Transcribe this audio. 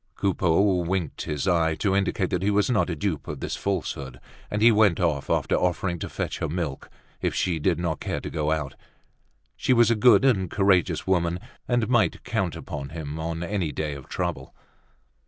Coupeau winked his eye, to indicate he was not a dupe of this falsehood; and he went off, after offering to fetch her milk, if she did not care to go out: she was a good and courageous woman, and might count upon him on any day of trouble.